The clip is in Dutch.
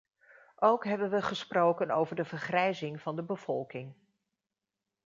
Ook hebben we gesproken over de vergrijzing van de bevolking.